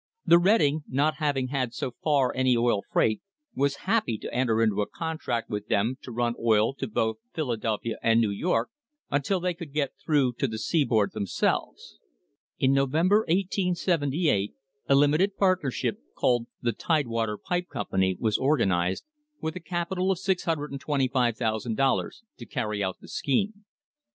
The Reading, not having had so far any oil freight, was happy to enter into a contract with them to run oil to both Philadelphia and New York until they could get through to the seaboard themselves. In November, 1878, a limited partnership, called the Tidewater Pipe Com pany, was organised with a capital of $625,000 to carry out the scheme.